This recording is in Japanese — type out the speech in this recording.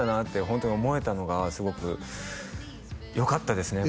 ホントに思えたのがすごくよかったですね